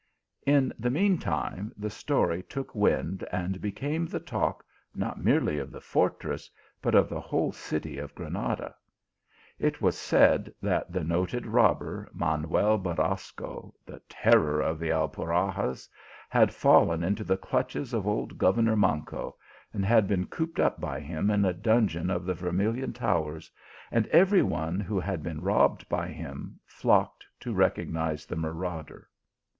In the mean time the story took wind, and became the talk not merely of the fortress, but of the whole city of Granada! It was said that the noted robber, Manuel Borasco, the terror of the Alpuxarras, had fallen into the clutches of old governor Manco, and been cooped up by him in a dungeon of the Vermilion GOVERNOR MANGO AND SOLDIER. 205 towers, and every one who had been robbed by him Hocked .to recognize the marauder.